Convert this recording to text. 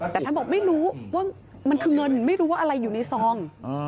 แต่ท่านบอกไม่รู้ว่ามันคือเงินไม่รู้ว่าอะไรอยู่ในซอง